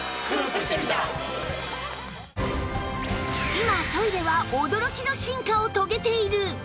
今トイレは驚きの進化を遂げている！